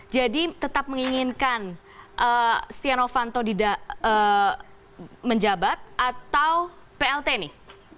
jadi tetap menginginkan stiano fanto menjabat atau plt nih